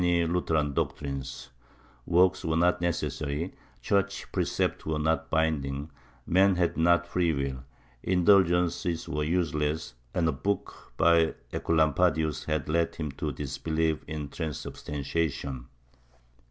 14 MYSTICISM [Book VIII Lutheran doctrines— works were not necessary, Church precepts were not binding, man had not free will, indulgences were useless and a book by (Ecolampadius had led him to disbelieve in tran substantiation.